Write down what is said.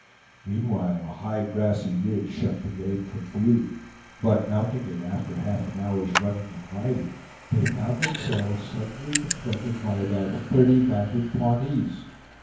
Meanwhile a high grassy ridge shut the game from view; but mounting it after half an hour's running and riding, they found themselves suddenly confronted by about thirty mounted Pawnees!